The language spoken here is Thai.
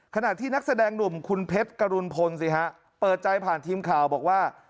ขณะที่นักแสดงหนุ่มคุณเพชรกรุณพลสิฮะเปิดใจผ่านทีมข่าวบอกว่า